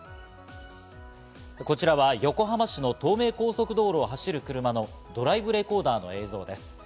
こちらは横浜市の東名高速道路を走る車のドライブレコーダーの映像です。